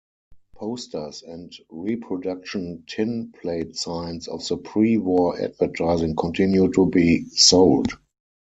Posters and reproduction tin-plate signs of the pre-war advertising continue to be sold.